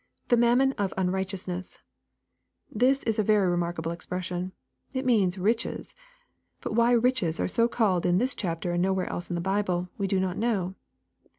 [The mammon of unrighteousness.] This is a very remarkable expression. It means " riches." But why " riches" are so called in tliis chapter and nowhere else in the Bible, we do not know.